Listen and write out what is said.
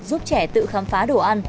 giúp trẻ tự khám phá đồ ăn